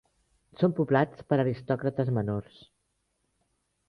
Són poblats per aristòcrates menors.